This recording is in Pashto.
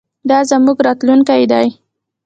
دا زموږ راتلونکی دی.